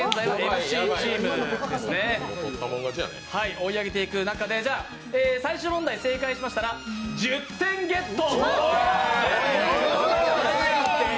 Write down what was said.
追い上げていく中で、最終問題正解しましたら１０点ゲット！